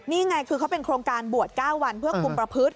นี่ไงคือเขาเป็นโครงการบวช๙วันเพื่อคุมประพฤติ